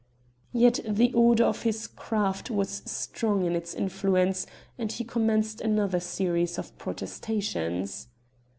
Yet the order of his craft was strong in its influence, and he commenced another series of protestations.